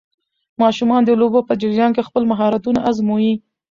ماشومان د لوبو په جریان کې خپل مهارتونه ازمويي.